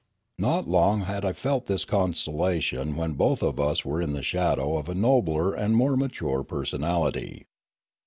Not long had I felt this consolation when both of us were in the shadow of a nobler and more mature per sonality.